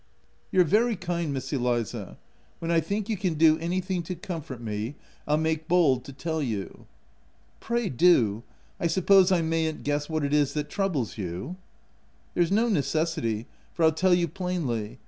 "You're very kind, Miss Eliza. When I think you can do anything to comfort me, I'll make bold to tell you." " Pray do !— I suppose I mayn't guess what it is that troubles you ?" u There's no necessity, for I'll tell you plainly.